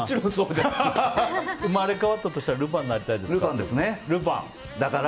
生まれ変わったとしたらルパンになりたいですか？